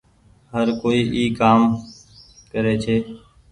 هر ڪوئي اي ڪآم ڪري ڇي۔